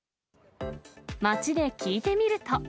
街で聞いてみると。